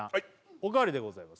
おかわりでございます